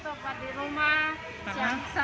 sebagai contoh di rumah sehari hari biar anaknya pada ngerti